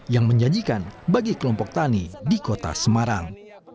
yang menjanjikan bagi kelompok tani di kota semarang